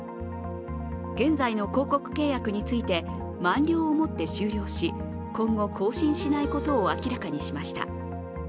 現在の広告契約について満了をもって終了し、今後更新しないことを明らかにしました。